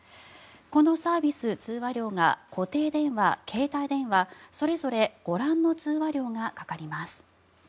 このサービス通話料が固定電話、携帯電話それぞれご覧の通話料がかかります。